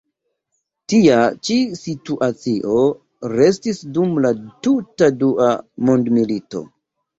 Tia ĉi situacio restis dum la tuta dua mondmilito.